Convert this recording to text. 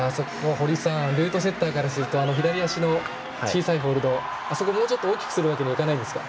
堀さんルートセッターからすると左足の小さいホールド、あそこをもうちょっと大きくすることはできないんですか？